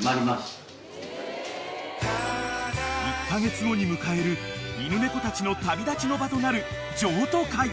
［１カ月後に迎える犬猫たちの旅立ちの場となる譲渡会］